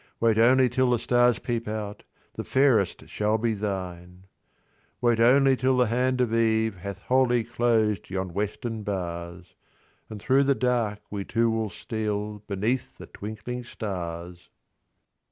Wait only till the stars peep out, The fairest shall be thine: 40 'Wait only till the hand of eve Hath wholly closed yon western bars, And through the dark we two will steal Beneath the twinkling stars!'